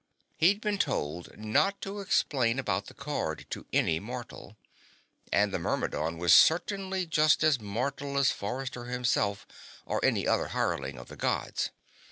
He'd been told not to explain about the card to any mortal. And the Myrmidon was certainly just as mortal as Forrester himself, or any other hireling of the Gods.